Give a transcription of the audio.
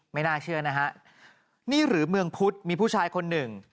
ไม่น่าเชื่อนะฮะนี่หรือเมืองพุทธมีผู้ชายคนหนึ่ง